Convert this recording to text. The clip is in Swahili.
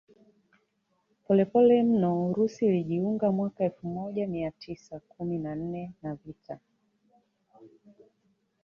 polepole mnoUrusi ulijiunga mwaka elfu moja mia tisa kumi na nne na vita